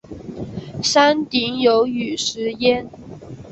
山顶有雨石庵。